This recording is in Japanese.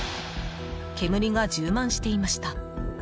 煙が充満していました。